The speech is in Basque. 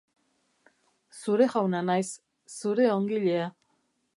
Zure jauna naiz, zure ongilea.